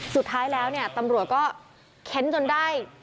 สุดท้ายแล้วเนี่ยตำรวจก็เค้นจนได้